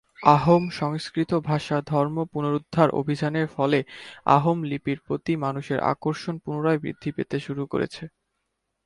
আহোম সংস্কৃতি ভাষা ধর্ম পুনরুদ্ধার অভিযানের ফলে আহোম লিপির প্রতি মানুষের আকর্ষণ পুনরায় বৃদ্ধি পেতে শুরু করেছে।